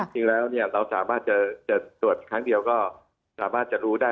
จริงแล้วเราสามารถจะตรวจครั้งเดียวก็สามารถจะรู้ได้